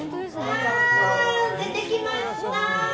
出てきました！